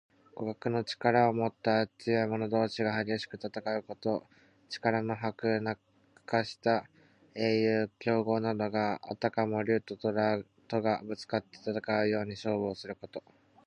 互角の力をもった強い者同士が激しく戦うこと。力の伯仲した英雄・強豪などが、あたかも竜ととらとがぶつかって戦うように勝負すること。